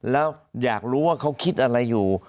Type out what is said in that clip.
แล้วอยากรู้ว่าเขาคิดอะไรอยู่